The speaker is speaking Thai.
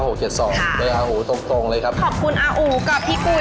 ขอบคุณอาหูกับพี่กุยนะคะขอบคุณค่ะ